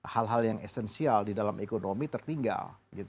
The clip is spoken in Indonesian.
hal hal yang esensial di dalam ekonomi tertinggal